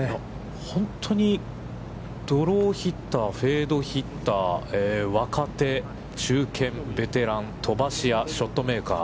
本当にドローヒッター、フェードヒッター、若手、中堅、ベテラン、飛ばし屋、ショットメーカー。